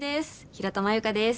平田真優香です。